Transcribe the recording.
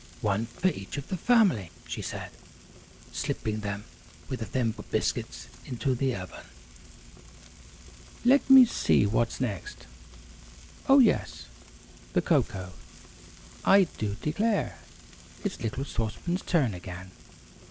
"One for each of the family," she said, slipping them with the Thimble Biscuits into the oven. "Let me see what's next. Oh, yes, the cocoa. I do declare, it's little Sauce Pan's turn again.